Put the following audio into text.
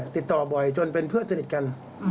ติดต่อบ่อยจนเป็นเพื่อนสนิทกัน